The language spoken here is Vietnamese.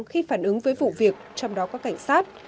khi phản ứng với vụ việc trong đó có cảnh sát